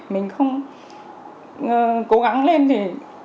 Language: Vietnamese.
mình không cố gắng lên thì